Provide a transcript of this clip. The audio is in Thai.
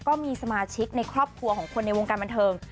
ก็มีสมาชิกในครอบครัวของคนในวงการบันเทิง